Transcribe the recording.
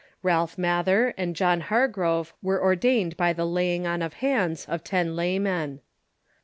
Ralph INIathcr and John Hargrove were ordained by the la}' ing on of hands of ten laymen.